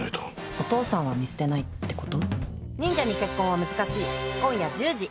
お父さんは見捨てないってこと？